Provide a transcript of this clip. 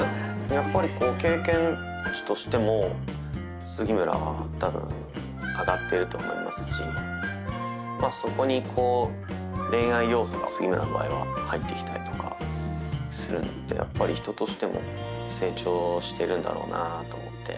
やっぱりこう経験値としても杉村は多分上がってると思いますしまあそこに恋愛要素が杉村の場合は入ってきたりとかするのでやっぱり人としても成長してるんだろうなあと思って。